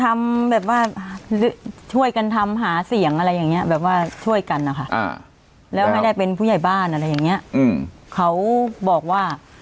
ไม่ถึงดีเพราะว่าโดนหักก้านน้ำ